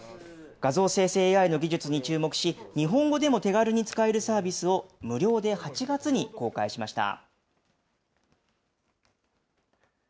画像生成ＡＩの技術に注目し、日本語でも手軽に使えるサービスを、無料で８月に公開しました。